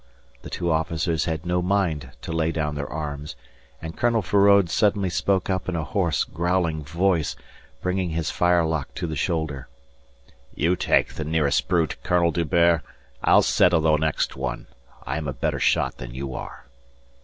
The two officers had no mind to lay down their arms, and Colonel Feraud suddenly spoke up in a hoarse, growling voice, bringing his firelock to the shoulder: "You take the nearest brute, Colonel D'Hubert; I'll settle the next one. I am a better shot than you are."